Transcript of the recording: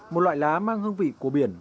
một loại lá mang hương vị của biển